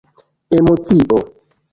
emocio